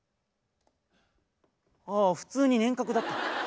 あ普通に年確だった。